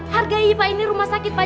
hargai pak ini rumah sakit pak